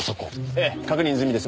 ええ確認済みです。